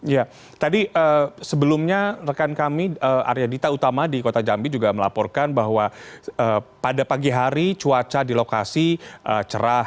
ya tadi sebelumnya rekan kami arya dita utama di kota jambi juga melaporkan bahwa pada pagi hari cuaca di lokasi cerah